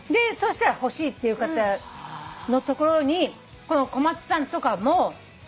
そしたら欲しいっていう方のところにこの小松さんとかも。